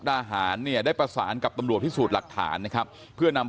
อาหารเนี่ยได้ประสานกับตำรวจพิสูจน์หลักฐานนะครับเพื่อนำ